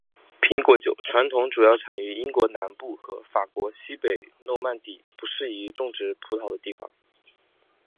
苹果酒传统主要产于英国南部和法国西北诺曼底不适宜种植葡萄的地方。